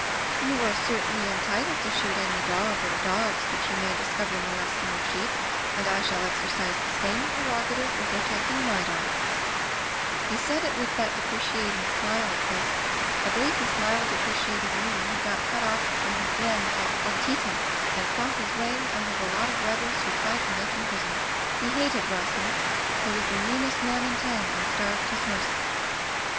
'You are certainly entitled to shoot any dog or dogs which you may discover molesting your sheep, and I shall exercise the same preroga tive in protecting my dog/ "He said it with that deprecating smile of his — I believe he smiled deprecatingly when he got cut off from his men at Antie tam, and fought his way out of a lot of rebels who tried to make him prisoner. He hated Grosman, who was the meanest man in town and starved his *horses.